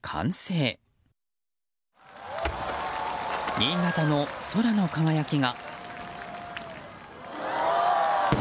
新潟の空の輝きが。